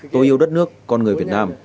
tôi yêu đất nước con người việt nam